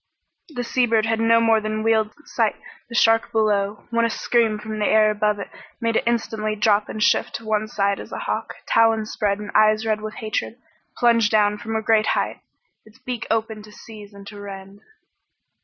The sea bird had no more than wheeled to sight the shark below, when a scream from the air above it made it instantly drop and shift to one side as a hawk, talons spread and eyes red with hatred, plunged down from a great height, its beak open to seize and to rend.